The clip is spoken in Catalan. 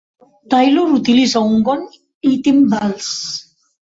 Taylor utilitza un gong i timbals.